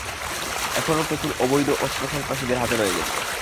এখনো প্রচুর অবৈধ অস্ত্র সন্ত্রাসীদের হাতে রয়ে গেছে।